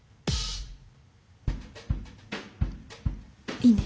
いいね！